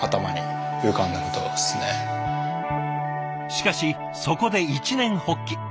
しかしそこで一念発起。